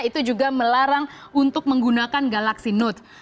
itu juga melarang untuk menggunakan galaxy note